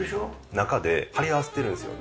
中で貼り合わせてるんですよ。